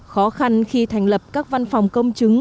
khó khăn khi thành lập các văn phòng công chứng